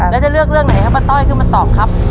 แล้วจะเลือกเรื่องไหนให้ป้าต้อยขึ้นมาตอบครับ